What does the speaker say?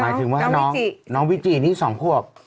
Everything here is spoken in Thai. หมายถึงว่าน้องวิจินี่๒ขวบ